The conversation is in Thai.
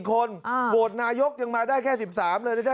๘๔คนโบสถ์นายกยังมาได้แค่๑๓เลยนะ